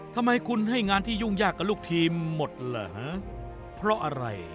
ทำไมคุณให้งานที่ยุ่งยากกับลูกทีมหมดเหรอฮะเพราะอะไร